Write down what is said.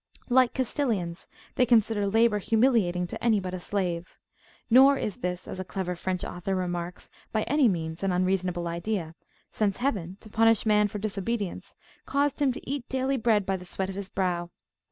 Like Castilians, they consider labour humiliating to any but a slave; nor is this, as a clever French author remarks, by any means an unreasonable idea, since Heaven, to punish man for disobedience, caused him to eat daily bread by the sweat of his brow.